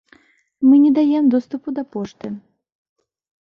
Мы не даем доступу да пошты.